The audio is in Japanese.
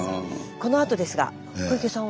このあとですが小池さんは？